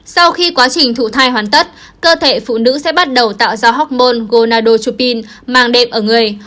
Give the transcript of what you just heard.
sau khi quá trình thụ thai hoàn tất cơ thể phụ nữ sẽ bắt đầu tạo ra học môn gonadotropin mang đệm ở người